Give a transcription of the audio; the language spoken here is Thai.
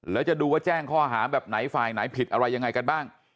แล้วจะดูว่าแจ้งข้อหาแบบไหนฝ่ายไหนผิดอะไรยังไงกันบ้าง